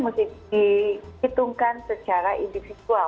mesti dihitungkan secara individual